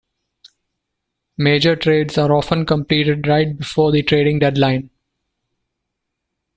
Major trades are often completed right before the trading deadline.